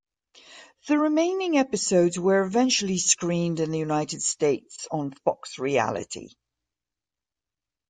The remaining episodes were eventually screened in the United States on Fox Reality.